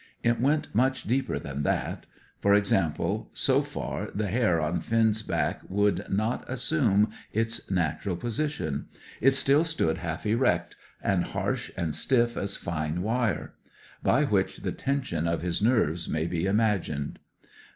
It went much deeper than that. For example, so far, the hair on Finn's back would not assume its natural position; it still stood half erect, and harsh and stiff as fine wire; by which the tension of his nerves may be imagined.